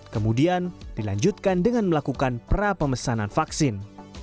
kemudian dilanjutkan dengan melakukan pra pemesanan vaksin